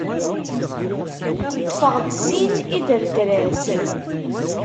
Ṭṭfeɣ-d sin idredras.